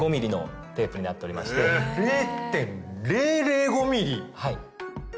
０．００５ｍｍ⁉はい。